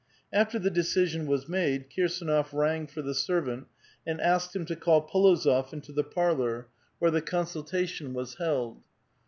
After the decision was made, Kirsdnof rang for the ser vant, and asked him to call P61ozof into the parlor, where A VITAL QUESTION. 413 the consultation was held.